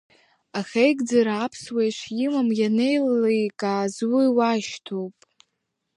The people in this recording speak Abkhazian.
Ахеигӡара аԥсуа ишимам ианеиликааз уи уашьҭоуп.